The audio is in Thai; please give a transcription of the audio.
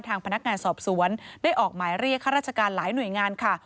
แหละเรียกข้าราชการหลายหน่วยงานค่ะ